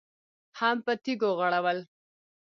هم په تيږو غړول.